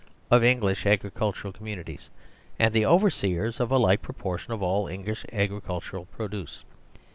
of English agricultural communities, and the overseers of a like proportion of all English agri cultural produce.